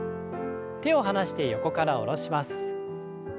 手を離して横から下ろします。